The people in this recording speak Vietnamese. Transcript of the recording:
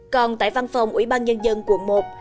còn tại văn phòng ủy ban nhân dân quận một